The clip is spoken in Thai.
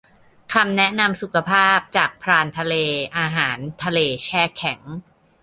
คำแนะนำสุขภาพ จาก พรานทะเล อาหารทะเลแช่แข็ง